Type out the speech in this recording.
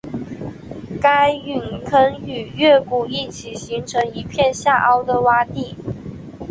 该陨坑与月谷一起形成一片下凹的洼地。